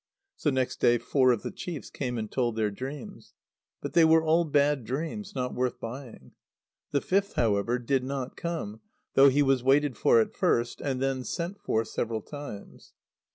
So next day four of the chiefs came and told their dreams. But they were all bad dreams, not worth buying. The fifth, however, did not come, though he was waited for at first, and then sent for several times.